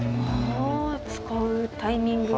使うタイミングが。